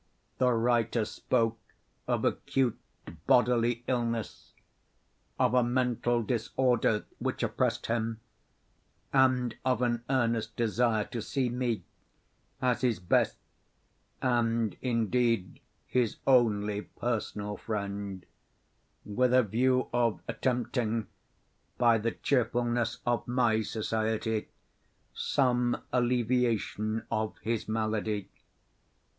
The writer spoke of acute bodily illness—of a mental disorder which oppressed him—and of an earnest desire to see me, as his best, and indeed his only personal friend, with a view of attempting, by the cheerfulness of my society, some alleviation of his malady.